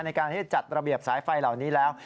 ในการที่จะจัดระเบียบสายไฟเหล่านี้แล้ว